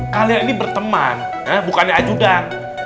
kalian ini berteman bukannya ajudan